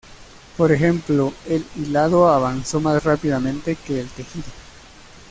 Por ejemplo el hilado avanzó más rápidamente que el tejido.